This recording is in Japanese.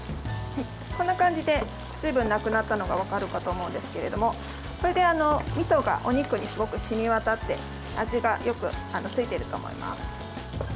こんな感じで水分がなくなったのが分かるかと思うんですけれどもこれで、みそがお肉に染み渡って味がよくついていると思います。